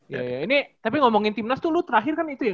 ya ini tapi ngomongin timnas tuh lu terakhir kan itu ya